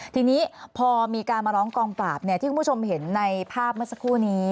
ทีนี้พอมีการมาร้องกองปราบที่คุณผู้ชมเห็นในภาพเมื่อสักครู่นี้